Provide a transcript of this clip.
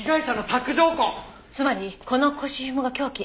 つまりこの腰紐が凶器。